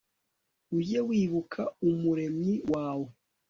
ujye wibuka umuremyi wawe